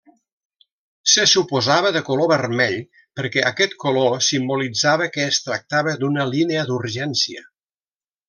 Se suposava de color vermell perquè aquest color simbolitzava que es tractava d'una línia d'urgència.